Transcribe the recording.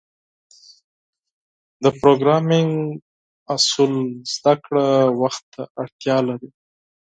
د پروګرامینګ اصول زدهکړه وخت ته اړتیا لري.